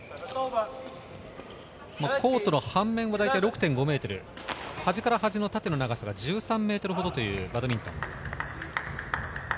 コートの半面はだいたい６．５ｍ、端から端の縦の長さが１３ｍほどというバドミントン。